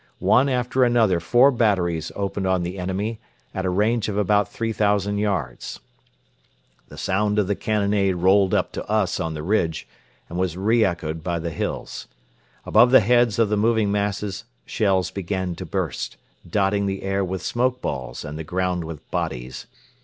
One after another four batteries opened on the enemy at a range of about 3,000 yards. The sound of the cannonade rolled up to us on the ridge, and was re echoed by the hills. Above the heads of the moving masses shells began to burst, dotting the air with smoke balls and the ground with bodies.